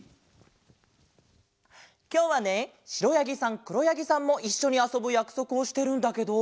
きょうはねしろやぎさんくろやぎさんもいっしょにあそぶやくそくをしてるんだけど。